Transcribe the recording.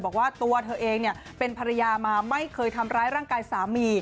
บอกว่าตัวเธอเองเป็นภรรยามาไม่เคยทำร้ายร่างกายสามี